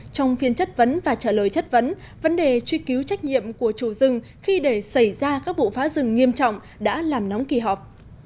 trong phiên chất vấn và trả lời chất vấn vấn đề truy cứu trách nhiệm của chủ rừng khi để xảy ra các bộ phá rừng nghiêm trọng đã làm nóng kỳ họp